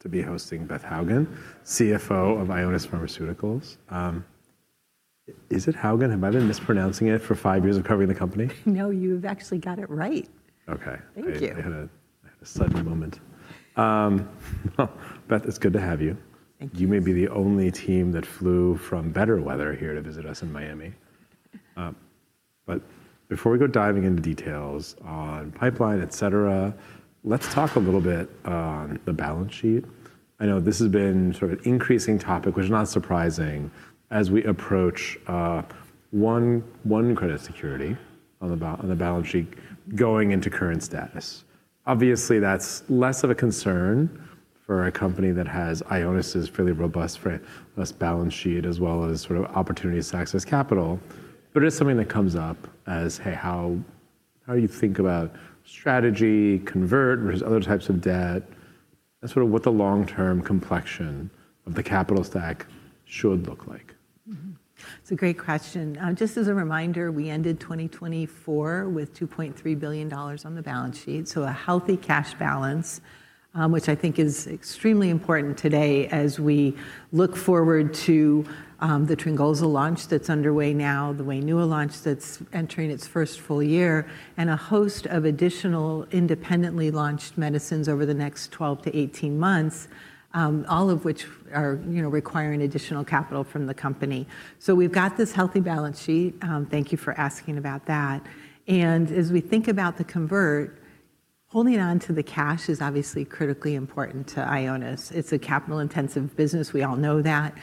To be hosting Beth Hougen, CFO of Ionis Pharmaceuticals. Is it Hougen? Have I been mispronouncing it for five years of covering the company? No, you've actually got it right. Okay. Thank you. I had a sudden moment. Well, Beth, it's good to have you. Thank you. You may be the only team that flew from better weather here to visit us in Miami. Before we go diving into details on pipeline, et cetera, let's talk a little bit on the balance sheet. I know this has been sort of an increasing topic, which is not surprising, as we approach one credit security on the balance sheet going into current status. Obviously, that's less of a concern for a company that has Ionis's fairly robust balance sheet, as well as sort of opportunities to access capital. It is something that comes up as, hey, how do you think about strategy, convert versus other types of debt, and sort of what the long-term complexion of the capital stack should look like? That's a great question. Just as a reminder, we ended 2024 with $2.3 billion on the balance sheet, so a healthy cash balance, which I think is extremely important today as we look forward to the Tryngolza launch that's underway now, the Wainua launch that's entering its first full year, and a host of additional independently launched medicines over the next 12 to 18 months, all of which are, you know, requiring additional capital from the company. We have this healthy balance sheet. Thank you for asking about that. As we think about the convert, holding on to the cash is obviously critically important to Ionis. It's a capital-intensive business. We all know that.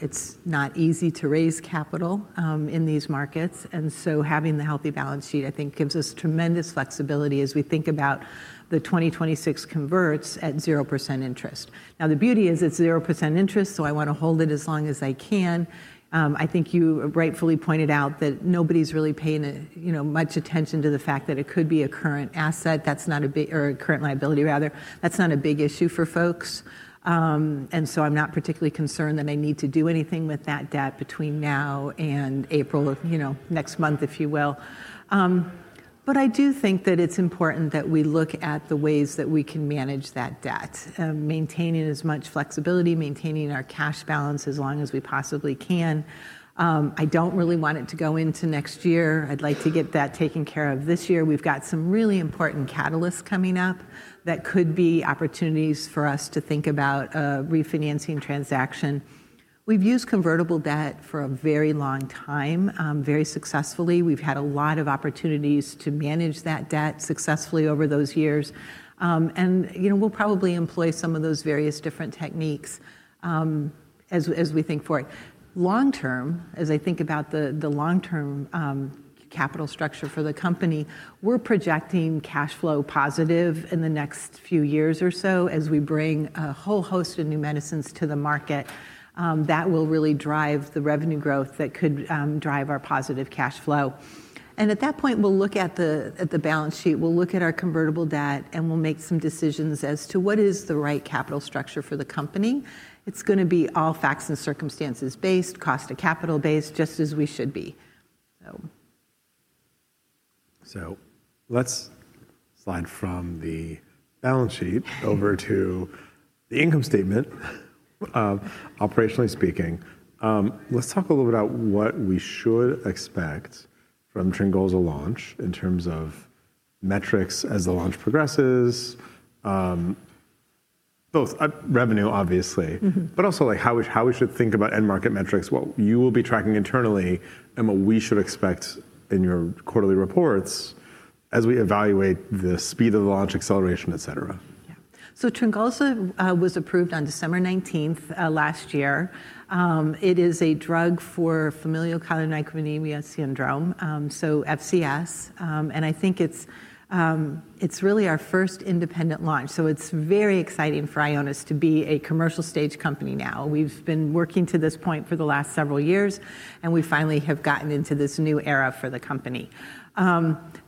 It's not easy to raise capital in these markets. Having the healthy balance sheet, I think, gives us tremendous flexibility as we think about the 2026 converts at 0% interest. Now, the beauty is it's 0% interest, so I want to hold it as long as I can. I think you rightfully pointed out that nobody's really paying, you know, much attention to the fact that it could be a current asset. That's not a big—or a current liability, rather—that's not a big issue for folks. I am not particularly concerned that I need to do anything with that debt between now and April, you know, next month, if you will. I do think that it's important that we look at the ways that we can manage that debt, maintaining as much flexibility, maintaining our cash balance as long as we possibly can. I don't really want it to go into next year. I'd like to get that taken care of this year. We've got some really important catalysts coming up that could be opportunities for us to think about a refinancing transaction. We've used convertible debt for a very long time, very successfully. We've had a lot of opportunities to manage that debt successfully over those years. You know, we'll probably employ some of those various different techniques, as we think forward. Long-term, as I think about the long-term capital structure for the company, we're projecting cash flow positive in the next few years or so as we bring a whole host of new medicines to the market. That will really drive the revenue growth that could drive our positive cash flow. At that point, we'll look at the balance sheet, we'll look at our convertible debt, and we'll make some decisions as to what is the right capital structure for the company. It's going to be all facts and circumstances based, cost of capital based, just as we should be. Let's slide from the balance sheet over to the income statement, operationally speaking. Let's talk a little bit about what we should expect from Tryngolza launch in terms of metrics as the launch progresses, both revenue, obviously, but also like how we should think about end market metrics, what you will be tracking internally, and what we should expect in your quarterly reports as we evaluate the speed of the launch, acceleration, et cetera. Yeah. Tryngolza was approved on December 19th last year. It is a drug for familial chylomicronemia syndrome, so FCS. I think it's really our first independent launch. It's very exciting for Ionis to be a commercial stage company now. We've been working to this point for the last several years, and we finally have gotten into this new era for the company.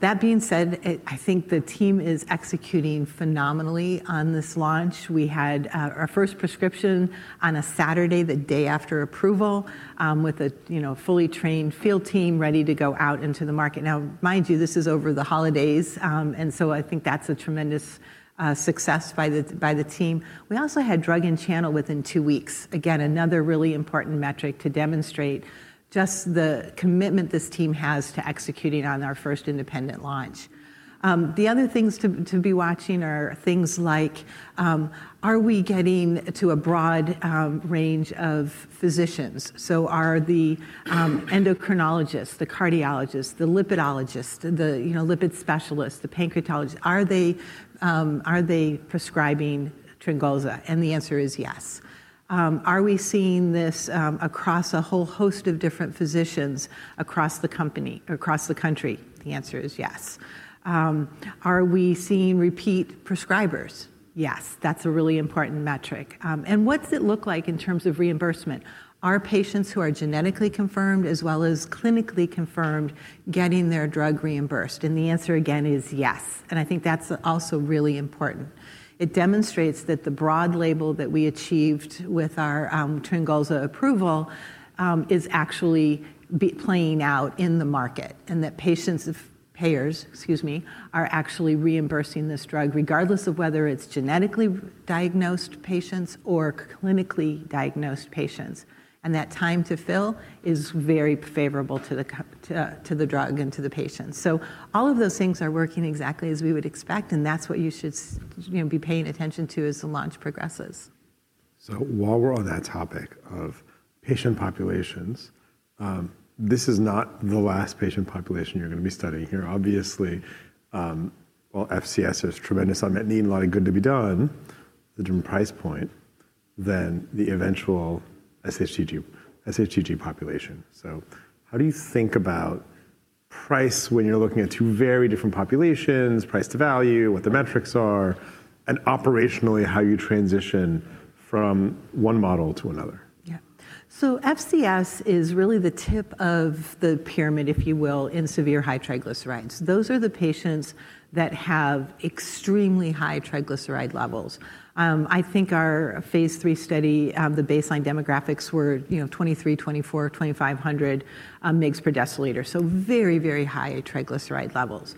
That being said, I think the team is executing phenomenally on this launch. We had our first prescription on a Saturday, the day after approval, with a, you know, fully trained field team ready to go out into the market. Now, mind you, this is over the holidays. I think that's a tremendous success by the team. We also had drug in channel within two weeks. Again, another really important metric to demonstrate just the commitment this team has to executing on our first independent launch. The other things to be watching are things like, are we getting to a broad range of physicians? So are the endocrinologists, the cardiologists, the lipidologists, the, you know, lipid specialists, the pancreatologists, are they, are they prescribing Tryngolza? And the answer is yes. Are we seeing this across a whole host of different physicians across the company, across the country? The answer is yes. Are we seeing repeat prescribers? Yes. That's a really important metric. And what's it look like in terms of reimbursement? Are patients who are genetically confirmed as well as clinically confirmed getting their drug reimbursed? And the answer, again, is yes. I think that's also really important. It demonstrates that the broad label that we achieved with our Tryngolza approval is actually playing out in the market and that patients, payers, excuse me, are actually reimbursing this drug regardless of whether it's genetically diagnosed patients or clinically diagnosed patients. That time to fill is very favorable to the drug and to the patient. All of those things are working exactly as we would expect. That's what you should, you know, be paying attention to as the launch progresses. While we're on that topic of patient populations, this is not the last patient population you're going to be studying here. Obviously, while FCS is tremendous on that and needing a lot of good to be done, the different price point than the eventual SHTG population. How do you think about price when you're looking at two very different populations, price to value, what the metrics are, and operationally how you transition from one model to another? Yeah. FCS is really the tip of the pyramid, if you will, in severe high triglycerides. Those are the patients that have extremely high triglyceride levels. I think our phase three study, the baseline demographics were, you know, 2,300, 2,400, 2,500 mg/dL. Very, very high triglyceride levels.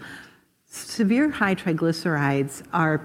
Severe high triglycerides are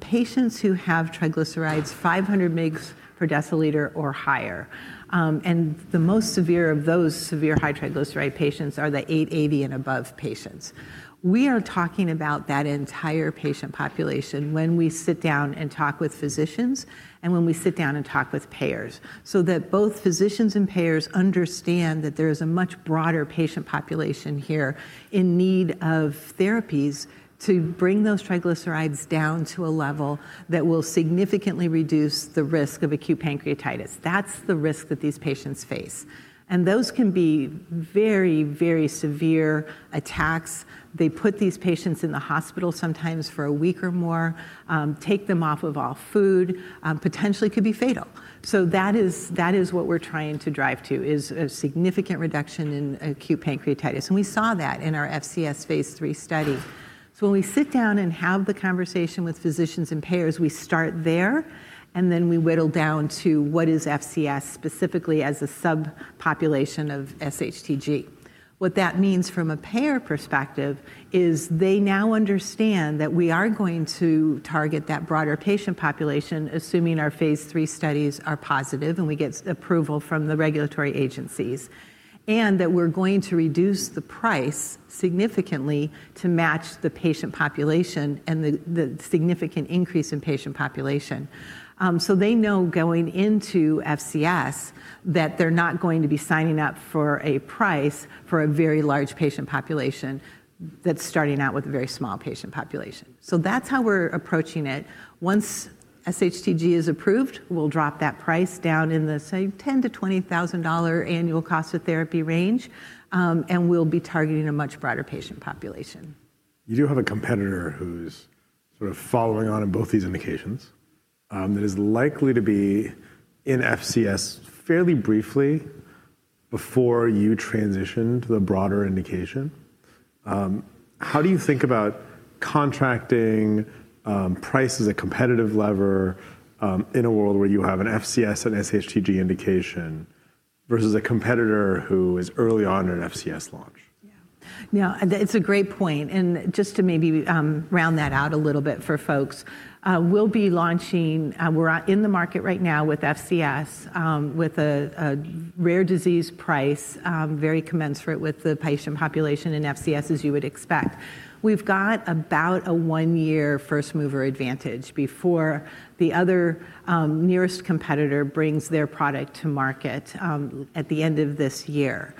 patients who have triglycerides 500 mg/dL or higher. The most severe of those severe high triglyceride patients are the 880 and above patients. We are talking about that entire patient population when we sit down and talk with physicians and when we sit down and talk with payers so that both physicians and payers understand that there is a much broader patient population here in need of therapies to bring those triglycerides down to a level that will significantly reduce the risk of acute pancreatitis. That's the risk that these patients face. Those can be very, very severe attacks. They put these patients in the hospital sometimes for a week or more, take them off of all food, potentially could be fatal. That is what we're trying to drive to is a significant reduction in acute pancreatitis. We saw that in our FCS phase three study. When we sit down and have the conversation with physicians and payers, we start there and then we whittle down to what is FCS specifically as a subpopulation of SHTG. What that means from a payer perspective is they now understand that we are going to target that broader patient population, assuming our phase three studies are positive and we get approval from the regulatory agencies, and that we're going to reduce the price significantly to match the patient population and the significant increase in patient population. They know going into FCS that they're not going to be signing up for a price for a very large patient population that's starting out with a very small patient population. That's how we're approaching it. Once SHTG is approved, we'll drop that price down in the, say, $10,000-$20,000 annual cost of therapy range, and we'll be targeting a much broader patient population. You do have a competitor who's sort of following on in both these indications, that is likely to be in FCS fairly briefly before you transition to the broader indication. How do you think about contracting, price as a competitive lever, in a world where you have an FCS and SHTG indication versus a competitor who is early on in an FCS launch? Yeah. No, it's a great point. Just to maybe round that out a little bit for folks, we'll be launching, we're in the market right now with FCS, with a rare disease price, very commensurate with the patient population in FCS, as you would expect. We've got about a one-year first mover advantage before the other nearest competitor brings their product to market at the end of this year.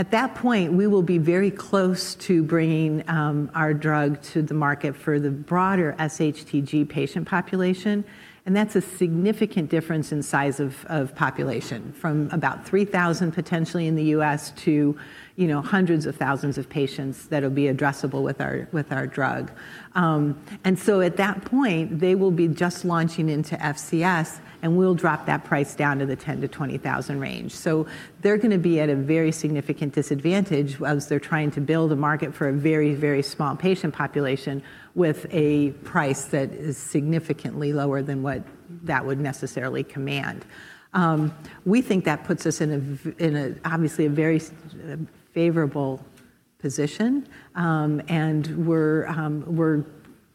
At that point, we will be very close to bringing our drug to the market for the broader SHTG patient population. That's a significant difference in size of population from about 3,000 potentially in the U.S. to, you know, hundreds of thousands of patients that will be addressable with our drug. At that point, they will be just launching into FCS and we'll drop that price down to the $10,000-$20,000 range. They are going to be at a very significant disadvantage as they are trying to build a market for a very, very small patient population with a price that is significantly lower than what that would necessarily command. We think that puts us in, obviously, a very favorable position, and we are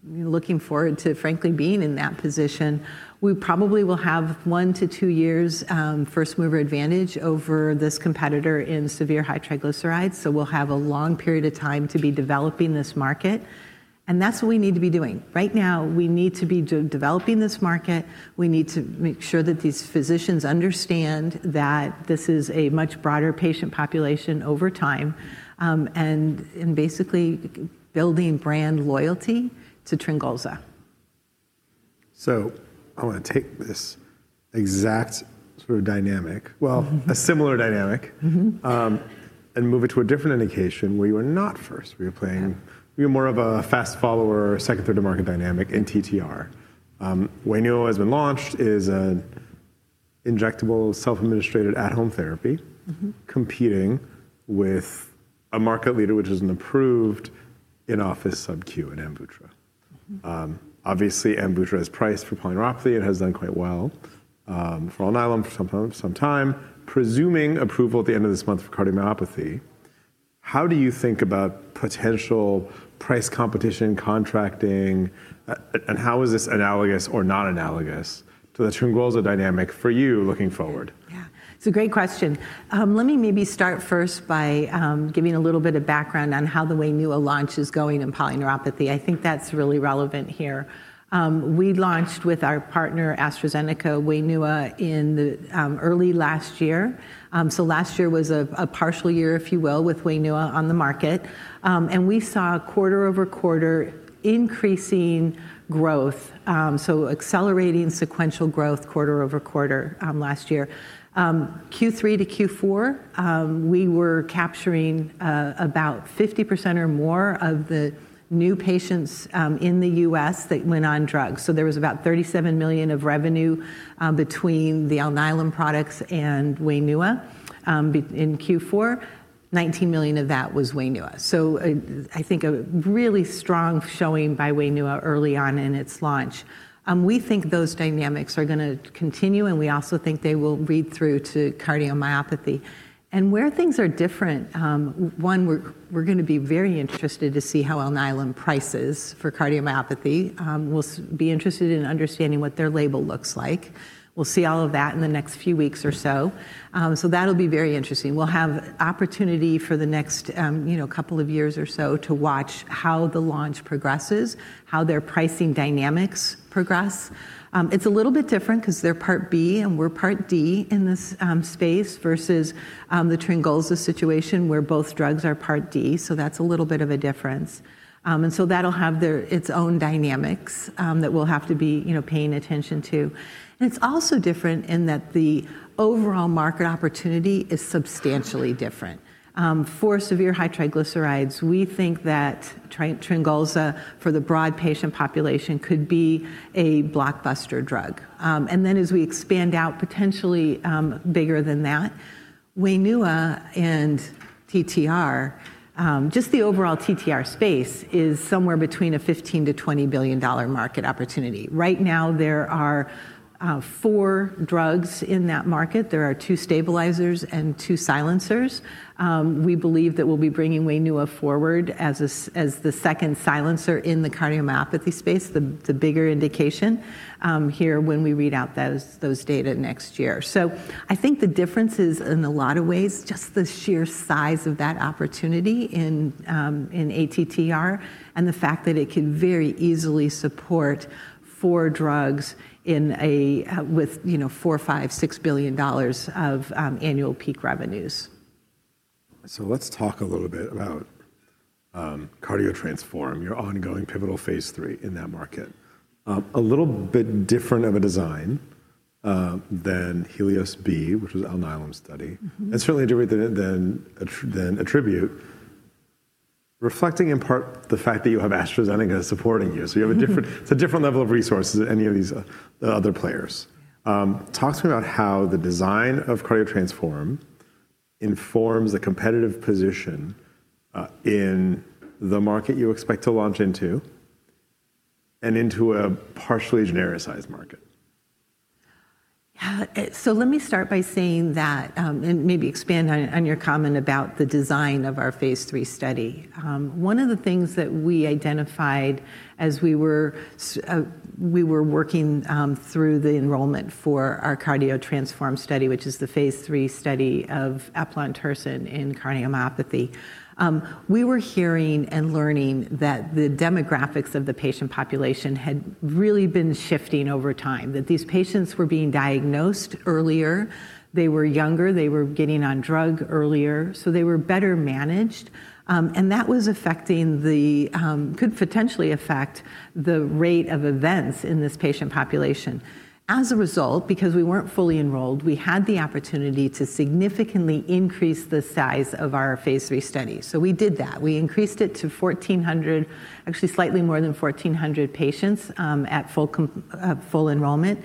looking forward to, frankly, being in that position. We probably will have one to two years first mover advantage over this competitor in severe high triglycerides. We will have a long period of time to be developing this market. That is what we need to be doing right now. We need to be developing this market. We need to make sure that these physicians understand that this is a much broader patient population over time, and basically building brand loyalty to Tryngolza. I want to take this exact sort of dynamic, well, a similar dynamic, and move it to a different indication where you are not first. We are playing, we are more of a fast follower second-third-to-market dynamic in TTR. Wainua has been launched as an injectable self-administered at-home therapy, competing with a market leader, which is an approved in-office subQ in Amvuttra. Obviously, Amvuttra is priced for polyneuropathy and has done quite well, for on my own for some time, presuming approval at the end of this month for cardiomyopathy. How do you think about potential price competition contracting? And how is this analogous or not analogous to the Tryngolza dynamic for you looking forward? Yeah, it's a great question. Let me maybe start first by giving a little bit of background on how the Wainua launch is going in polyneuropathy. I think that's really relevant here. We launched with our partner AstraZeneca, Wainua in the early last year. Last year was a partial year, if you will, with Wainua on the market. We saw quarter over quarter increasing growth, so accelerating sequential growth quarter over quarter, last year. Q3 to Q4, we were capturing about 50% or more of the new patients in the U.S. that went on drugs. There was about $37 million of revenue between the Alnylam products and Wainua. In Q4, $19 million of that was Wainua. I think a really strong showing by Wainua early on in its launch. We think those dynamics are going to continue, and we also think they will read through to cardiomyopathy. Where things are different, one, we're going to be very interested to see how Alnylam prices for cardiomyopathy. We'll be interested in understanding what their label looks like. We'll see all of that in the next few weeks or so. That will be very interesting. We'll have opportunity for the next, you know, couple of years or so to watch how the launch progresses, how their pricing dynamics progress. It's a little bit different because they're Part B and we're Part D in this space versus the Tryngolza situation where both drugs are Part D. That's a little bit of a difference, and that will have its own dynamics that we'll have to be, you know, paying attention to. It's also different in that the overall market opportunity is substantially different. For severe high triglycerides, we think that Tryngolza for the broad patient population could be a blockbuster drug. And then as we expand out potentially, bigger than that, Wainua and TTR, just the overall TTR space is somewhere between a $15 billion-$20 billion market opportunity. Right now, there are four drugs in that market. There are two stabilizers and two silencers. We believe that we'll be bringing Wainua forward as the second silencer in the cardiomyopathy space, the bigger indication, here when we read out those data next year. I think the difference is in a lot of ways, just the sheer size of that opportunity in, in ATTR and the fact that it could very easily support four drugs in a, with, you know, $4, 5, 6 billion of annual peak revenues. Let's talk a little bit about CARDIO-TTRansform, your ongoing pivotal phase three in that market. A little bit different of a design than HELIOS-B, which was Alnylam's study, and certainly a degree than ATTRibute, reflecting in part the fact that you have AstraZeneca supporting you. You have a different, it's a different level of resources than any of these other players. Talk to me about how the design of CARDIO-TTRansform informs the competitive position in the market you expect to launch into and into a partially genericized market. Yeah. Let me start by saying that, and maybe expand on your comment about the design of our phase three study. One of the things that we identified as we were working through the enrollment for our CARDIO-TTRansform study, which is the phase three study of eplontersen in cardiomyopathy, we were hearing and learning that the demographics of the patient population had really been shifting over time, that these patients were being diagnosed earlier, they were younger, they were getting on drug earlier, so they were better managed. That was affecting the, could potentially affect the rate of events in this patient population. As a result, because we were not fully enrolled, we had the opportunity to significantly increase the size of our phase three study. We did that. We increased it to 1,400, actually slightly more than 1,400 patients, at full, full enrollment,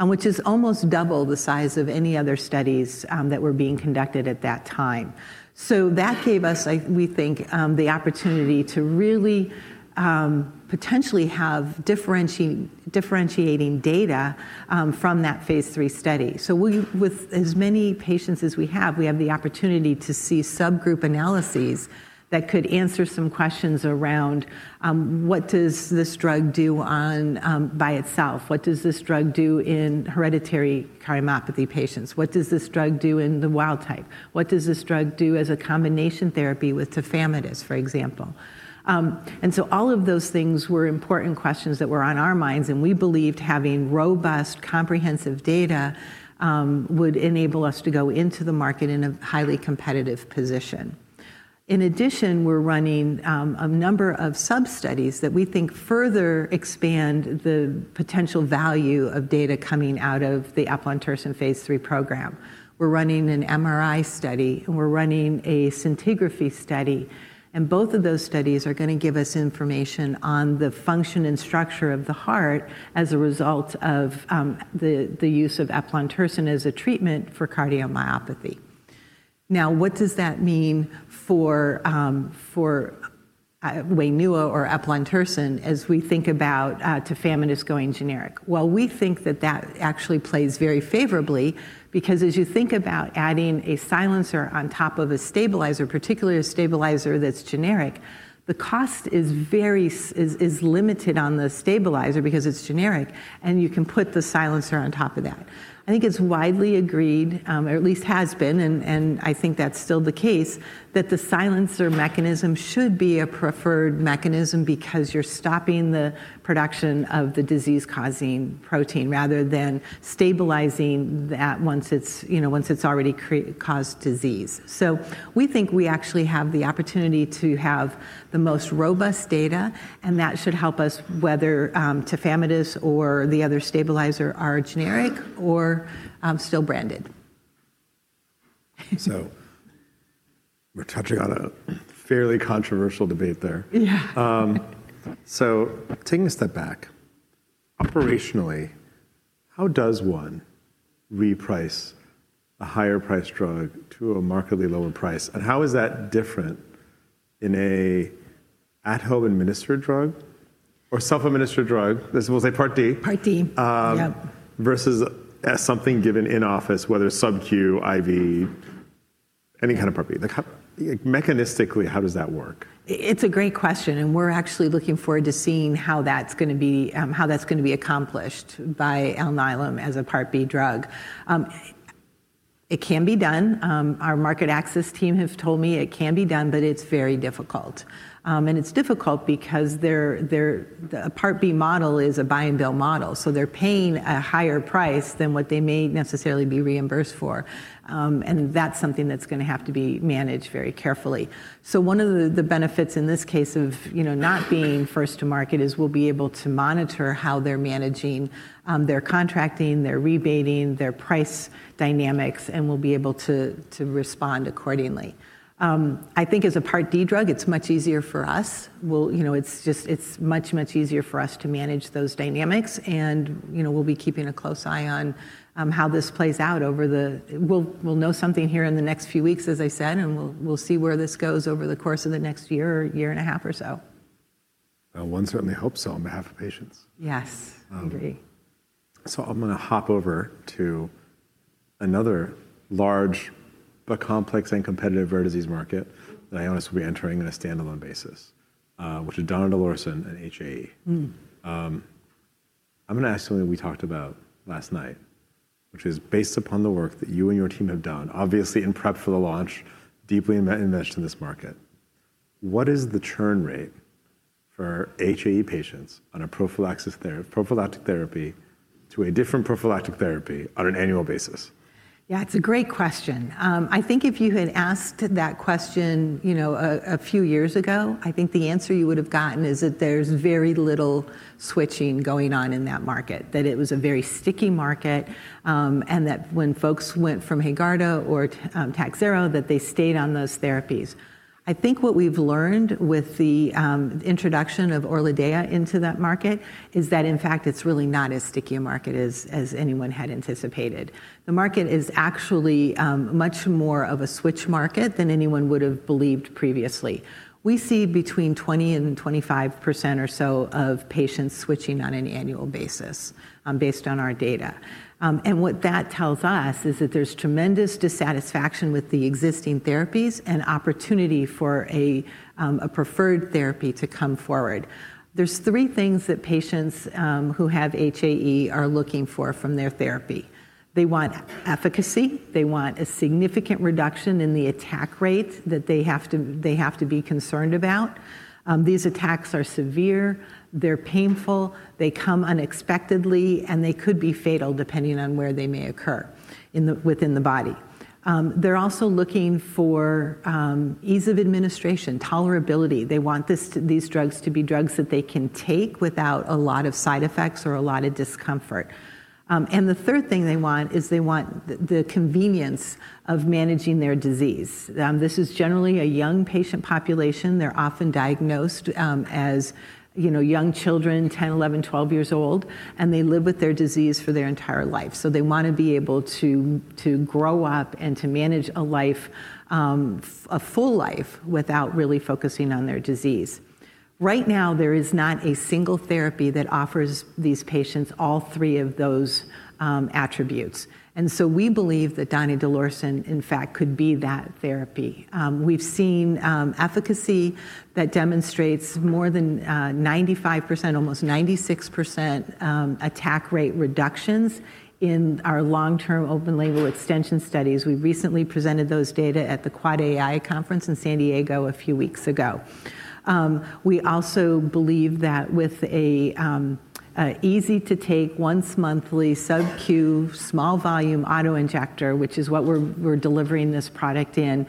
which is almost double the size of any other studies that were being conducted at that time. That gave us, I think, the opportunity to really, potentially have differentiating, differentiating data from that phase three study. With as many patients as we have, we have the opportunity to see subgroup analyses that could answer some questions around, what does this drug do on, by itself? What does this drug do in hereditary cardiomyopathy patients? What does this drug do in the wild type? What does this drug do as a combination therapy with tafamidis, for example? All of those things were important questions that were on our minds. We believed having robust comprehensive data would enable us to go into the market in a highly competitive position. In addition, we're running a number of sub-studies that we think further expand the potential value of data coming out of the eplontersen phase three program. We're running an MRI study and we're running a scintigraphy study. Both of those studies are going to give us information on the function and structure of the heart as a result of the use of eplontersen as a treatment for cardiomyopathy. Now, what does that mean for Wainua or eplontersen as we think about tafamidis going generic? We think that that actually plays very favorably because as you think about adding a silencer on top of a stabilizer, particularly a stabilizer that's generic, the cost is very, is limited on the stabilizer because it's generic and you can put the silencer on top of that. I think it's widely agreed, or at least has been, and I think that's still the case that the silencer mechanism should be a preferred mechanism because you're stopping the production of the disease-causing protein rather than stabilizing that once it's, you know, once it's already caused disease. We think we actually have the opportunity to have the most robust data and that should help us whether tafamidis or the other stabilizer are generic or still branded. We're touching on a fairly controversial debate there. Yeah. Taking a step back, operationally, how does one reprice a higher price drug to a markedly lower price? And how is that different in an at-home administered drug or self-administered drug? This will say Part D. Part D. Yeah. versus something given in office, whether it's subQ, IV, any kind of Part B, like mechanistically, how does that work? It's a great question. And we're actually looking forward to seeing how that's going to be, how that's going to be accomplished by Alnylam as a part B drug. It can be done. Our market access team have told me it can be done, but it's very difficult. And it's difficult because the part B model is a buy and bill model. So they're paying a higher price than what they may necessarily be reimbursed for. And that's something that's going to have to be managed very carefully. One of the benefits in this case of, you know, not being first to market is we'll be able to monitor how they're managing, their contracting, their rebating, their price dynamics, and we'll be able to respond accordingly. I think as a part D drug, it's much easier for us. You know, it's just, it's much, much easier for us to manage those dynamics. You know, we'll be keeping a close eye on how this plays out over the, we'll know something here in the next few weeks, as I said, and we'll see where this goes over the course of the next year or year and a half or so. Now, one certainly hopes so on behalf of patients. Yes, agree. I'm going to hop over to another large, but complex and competitive rare disease market that Ionis will be entering on a standalone basis, which is donidalorsen and HAE. I'm going to ask something that we talked about last night, which is based upon the work that you and your team have done, obviously in prep for the launch, deeply invested in this market. What is the churn rate for HAE patients on a prophylaxis therapy, prophylactic therapy to a different prophylactic therapy on an annual basis? Yeah, it's a great question. I think if you had asked that question, you know, a few years ago, I think the answer you would have gotten is that there's very little switching going on in that market, that it was a very sticky market, and that when folks went from Haegarda or Takhzyro, that they stayed on those therapies. I think what we've learned with the introduction of Orladeyo into that market is that in fact, it's really not as sticky a market as anyone had anticipated. The market is actually much more of a switch market than anyone would have believed previously. We see between 20%-25% or so of patients switching on an annual basis, based on our data. What that tells us is that there's tremendous dissatisfaction with the existing therapies and opportunity for a preferred therapy to come forward. There's three things that patients, who have HAE are looking for from their therapy. They want efficacy. They want a significant reduction in the attack rate that they have to, they have to be concerned about. These attacks are severe. They're painful. They come unexpectedly and they could be fatal depending on where they may occur in the, within the body. They're also looking for, ease of administration, tolerability. They want this, these drugs to be drugs that they can take without a lot of side effects or a lot of discomfort. And the third thing they want is they want the convenience of managing their disease. This is generally a young patient population. They're often diagnosed, as, you know, young children, 10, 11, 12 years old, and they live with their disease for their entire life. They want to be able to grow up and to manage a life, a full life without really focusing on their disease. Right now, there is not a single therapy that offers these patients all three of those attributes. We believe that donidalorsen, in fact, could be that therapy. We've seen efficacy that demonstrates more than 95%, almost 96%, attack rate reductions in our long-term open label extension studies. We recently presented those data at the AAAAI Conference in San Diego a few weeks ago. We also believe that with an easy to take once monthly subQ small volume auto injector, which is what we're delivering this product in,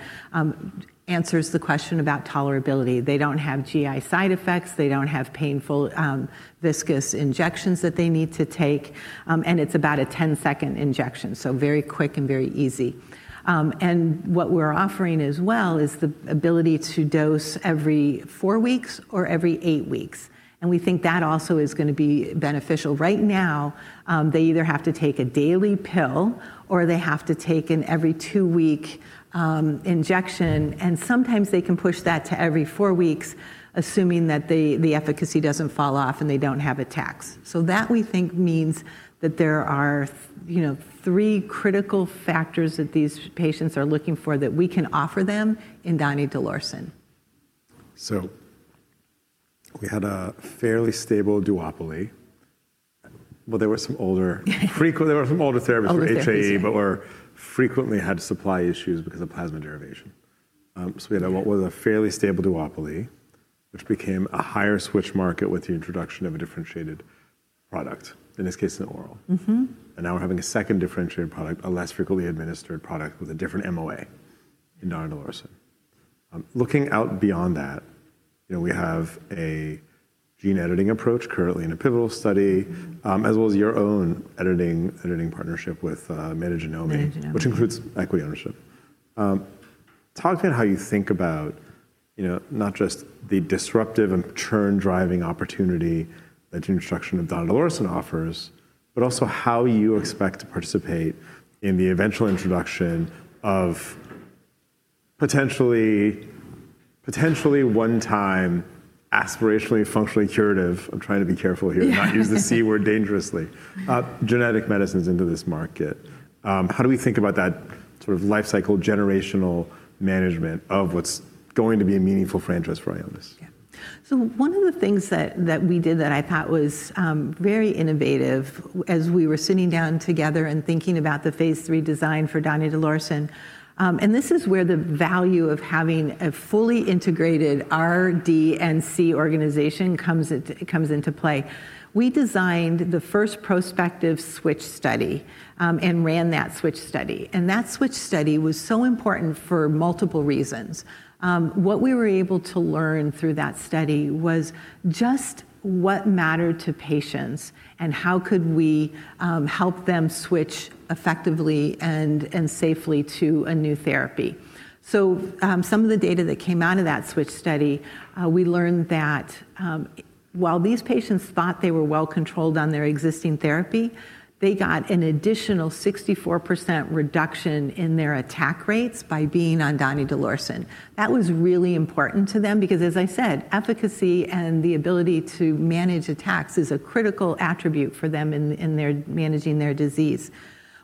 answers the question about tolerability. They don't have GI side effects. They don't have painful, viscous injections that they need to take. It is about a 10-second injection. Very quick and very easy. What we're offering as well is the ability to dose every four weeks or every eight weeks. We think that also is going to be beneficial right now. They either have to take a daily pill or they have to take an every two-week injection. Sometimes they can push that to every four weeks, assuming that the efficacy doesn't fall off and they don't have attacks. We think that means that there are, you know, three critical factors that these patients are looking for that we can offer them in Donidalorsen. We had a fairly stable duopoly. There were some older therapies for HAE, but were frequently had supply issues because of plasma derivation. We had what was a fairly stable duopoly, which became a higher switch market with the introduction of a differentiated product, in this case, an oral. Now we are having a second differentiated product, a less frequently administered product with a different MOA in donidalorsen. Looking out beyond that, you know, we have a gene editing approach currently in a pivotal study, as well as your own editing partnership with Metagenomi, which includes equity ownership. Talk to me how you think about, you know, not just the disruptive and churn driving opportunity that the introduction of donidalorsen offers, but also how you expect to participate in the eventual introduction of potentially, potentially one-time aspirationally functionally curative. I'm trying to be careful here and not use the C word dangerously, genetic medicines into this market. How do we think about that sort of life cycle generational management of what's going to be a meaningful franchise for Ionis? Yeah. One of the things that we did that I thought was very innovative as we were sitting down together and thinking about the phase three design for Donidalorsen, and this is where the value of having a fully integrated R&D and C organization comes into play. We designed the first prospective switch study and ran that switch study. That switch study was so important for multiple reasons. What we were able to learn through that study was just what mattered to patients and how we could help them switch effectively and safely to a new therapy. Some of the data that came out of that switch study, we learned that while these patients thought they were well controlled on their existing therapy, they got an additional 64% reduction in their attack rates by being on Donidalorsen. That was really important to them because, as I said, efficacy and the ability to manage attacks is a critical attribute for them in their managing their disease.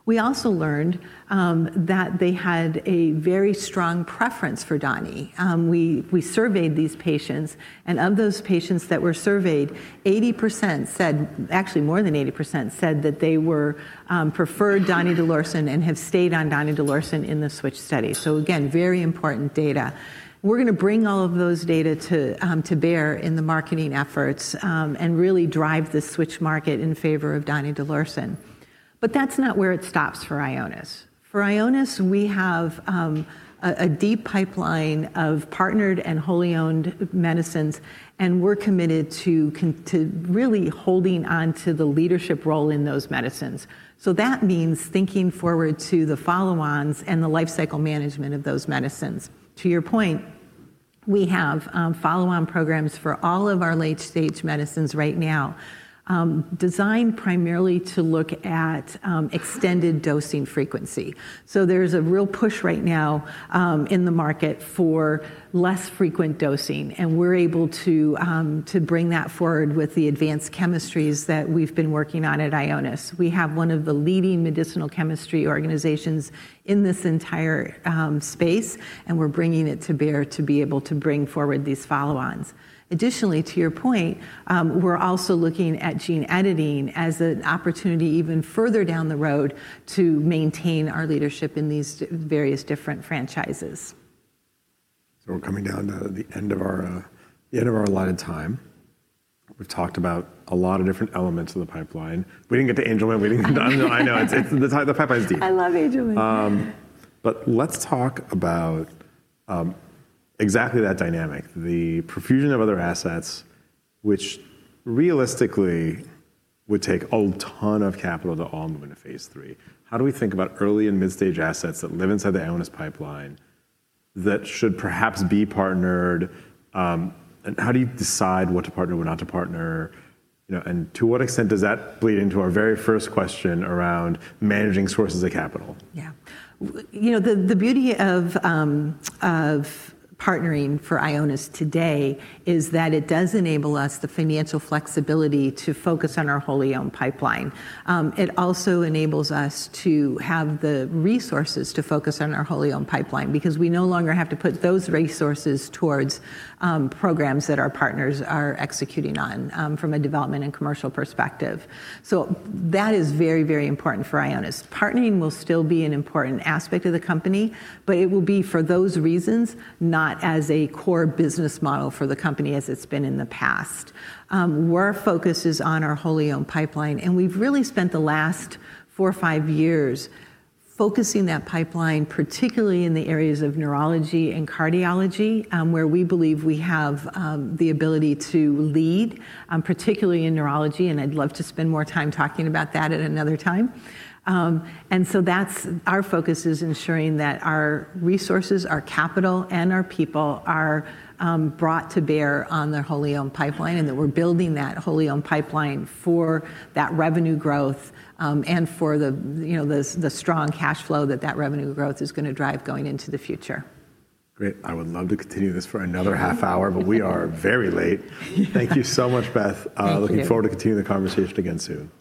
We also learned that they had a very strong preference for Donnie. We surveyed these patients and of those patients that were surveyed, 80%, actually more than 80%, said that they preferred Donidalorsen and have stayed on Donidalorsen in the switch study. Again, very important data. We are going to bring all of those data to bear in the marketing efforts, and really drive the switch market in favor of Donidalorsen. That is not where it stops for Ionis. For Ionis, we have a deep pipeline of partnered and wholly owned medicines, and we are committed to really holding onto the leadership role in those medicines. That means thinking forward to the follow-ons and the life cycle management of those medicines. To your point, we have follow-on programs for all of our late-stage medicines right now, designed primarily to look at extended dosing frequency. There is a real push right now in the market for less frequent dosing, and we are able to bring that forward with the advanced chemistries that we have been working on at Ionis. We have one of the leading medicinal chemistry organizations in this entire space, and we are bringing it to bear to be able to bring forward these follow-ons. Additionally, to your point, we are also looking at gene editing as an opportunity even further down the road to maintain our leadership in these various different franchises. We're coming down to the end of our allotted time. We've talked about a lot of different elements of the pipeline. We didn't get to Angelman. We didn't get to, I know it's, it's the pipeline is deep. I love Angelman. Let's talk about exactly that dynamic, the profusion of other assets, which realistically would take a ton of capital to all move into phase three. How do we think about early and mid-stage assets that live inside the Ionis pipeline that should perhaps be partnered? And how do you decide what to partner, what not to partner, you know, and to what extent does that bleed into our very first question around managing sources of capital? Yeah. You know, the beauty of partnering for Ionis today is that it does enable us the financial flexibility to focus on our wholly owned pipeline. It also enables us to have the resources to focus on our wholly owned pipeline because we no longer have to put those resources towards programs that our partners are executing on, from a development and commercial perspective. That is very, very important for Ionis. Partnering will still be an important aspect of the company, but it will be for those reasons, not as a core business model for the company as it's been in the past. We're focused on our wholly owned pipeline, and we've really spent the last four or five years focusing that pipeline, particularly in the areas of neurology and cardiology, where we believe we have the ability to lead, particularly in neurology. I'd love to spend more time talking about that at another time. Our focus is ensuring that our resources, our capital, and our people are brought to bear on the wholly owned pipeline and that we're building that wholly owned pipeline for that revenue growth, and for the, you know, the strong cash flow that that revenue growth is going to drive going into the future. Great. I would love to continue this for another half hour, but we are very late. Thank you so much, Beth. Looking forward to continuing the conversation again soon.